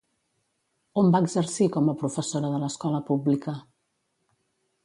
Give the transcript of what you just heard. On va exercir com a professora de l'escola pública?